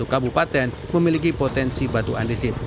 dua puluh satu kabupaten memiliki potensi batu andesit